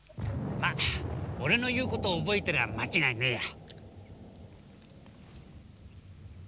ま俺の言う事を覚えてりゃ間違いねえや。